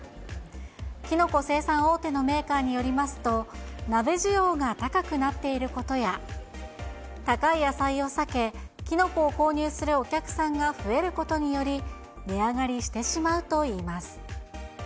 キノコ生産大手のメーカーによりますと、鍋需要が高くなっていることや高い野菜を避け、キノコを購入するお客さんが増えることにより、値上がりしてしまうといいます。